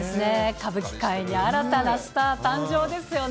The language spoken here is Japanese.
歌舞伎界に新たなスター誕生ですよね。